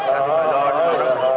satu balon lima orang